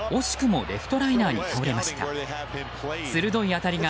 惜しくもレフトライナーに倒れました。